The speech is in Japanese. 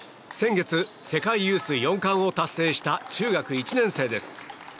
先月世界ユース４冠を達成した中学１年生です。